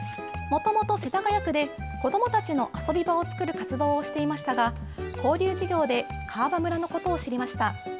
もともと世田谷区で子どもたちの遊び場を作る活動をしていましたが、交流事業で川場村のことを知りました。